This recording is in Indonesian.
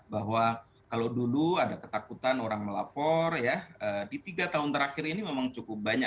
bahwa kalau dulu ada ketakutan orang melapor ya di tiga tahun terakhir ini memang cukup banyak